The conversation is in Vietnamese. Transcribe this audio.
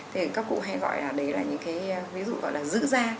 thì các cụ hay gọi là đấy là những cái ví dụ gọi là giữ da